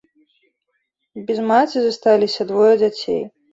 Без маці засталіся двое дзяцей.